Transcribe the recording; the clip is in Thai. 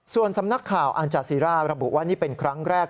ส่วนสำนักข่าวอัญจาซีร่าระบุว่านี่เป็นครั้งแรก